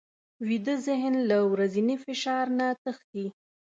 ویده ذهن له ورځني فشار نه تښتي